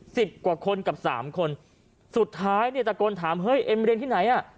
สิบกว่าคนกับสามคนสุดท้ายเนี่ยตะโกนถามเฮ้ยเอ็มเรียนที่ไหนอ่ะ